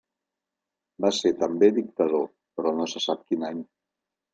Va ser també dictador, però no se sap quin any.